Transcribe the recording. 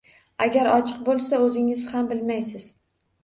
Agar ochiq boʻlsa, oʻzingiz ham bilmaysiz